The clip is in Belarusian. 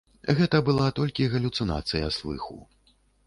Гэта была толькі галюцынацыя слыху.